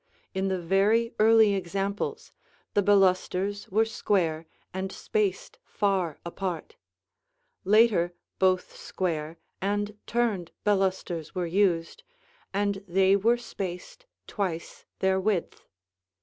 In the very early examples, the balusters were square and spaced far apart; later both square and turned balusters were used, and they were spaced twice their width.